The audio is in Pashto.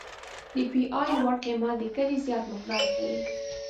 د پی ای لوړ قیمت د کلې زیات مقدار ښیي